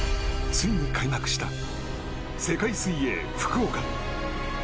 ついに開幕した世界水泳福岡！